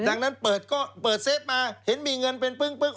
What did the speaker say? ดังนั้นเปิดเซฟมาเห็นมีเงินเป็นเปลื้อง